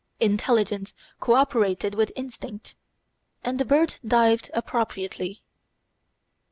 Intelligence cooperated with instinct, and the bird dived appropriately.